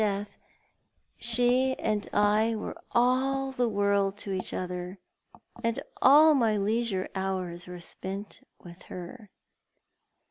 death she and I were all the world t3 each other, and all my leisure hours were spent with her